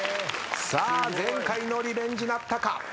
さあ前回のリベンジなったか？